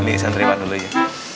nih santriwan dulu ya